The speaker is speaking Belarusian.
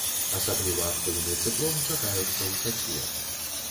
Асабліва актыўны цыклон чакаецца ў чацвер.